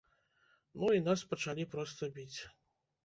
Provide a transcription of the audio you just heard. Ну і нас пачалі проста біць.